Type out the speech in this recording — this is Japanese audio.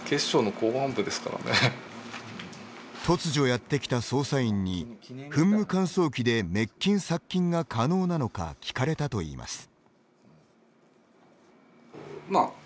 突如やってきた捜査員に噴霧乾燥機で滅菌、殺菌が可能なのか聞かれたといいます。